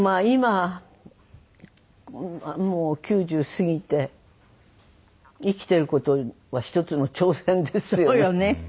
今もう９０過ぎて生きてる事は一つの挑戦ですよね。